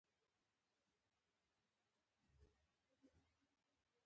دښمن ته د نېک نیتي تمه مه کوه